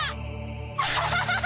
アハハハハ！